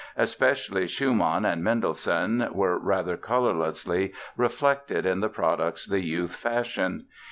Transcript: Especially Schumann and Mendelssohn were rather colorlessly reflected in the products the youth fashioned.